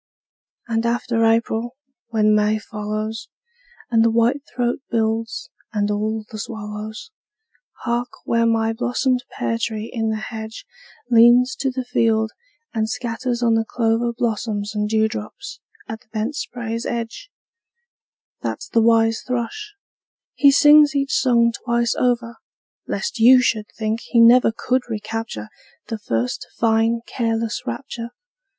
And after April, when May follows, And the whitethroat builds, and all the swallows! Hark, where my blossomed pear tree in the hedge Leans to the field and scatters on the clover Blossoms and dewdrops at the bent spray's edge That's the wise thrush; he sings each song twice over, Lest you should think he never could recapture The first fine careless rapture!